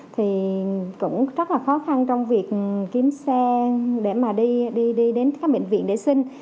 thì cũng rất là khó khăn trong việc kiếm xe để mà đi đến các bệnh viện để xin